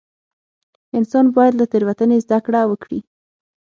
انسان باید له تېروتنې زده کړه وکړي.